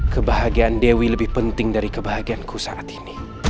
kebahagiaan dewi lebih penting dari kebahagiaanku saat ini